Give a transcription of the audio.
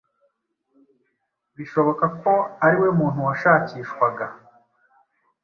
bishoboka ko ari we muntu washakishwaga